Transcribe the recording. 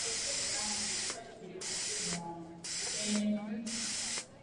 mkulima huongeza thamani ya viazi lishe